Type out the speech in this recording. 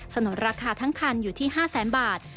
นุนราคาทั้งคันอยู่ที่๕แสนบาท